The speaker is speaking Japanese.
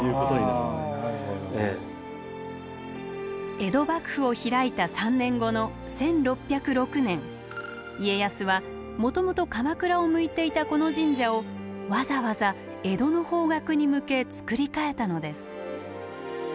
江戸幕府を開いた３年後の１６０６年家康はもともと鎌倉を向いていたこの神社をわざわざ江戸の方角に向け造り替えたのです。